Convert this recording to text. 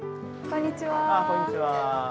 こんにちは。